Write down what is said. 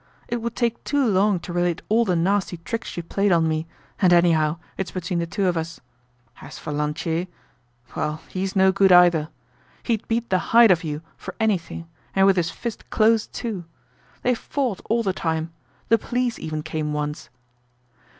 It would take too long to relate all the nasty tricks she played on me, and anyhow, it's between the two of us. As for Lantier—well, he's no good either. He'd beat the hide off you for anything, and with his fist closed too. They fought all the time. The police even came once."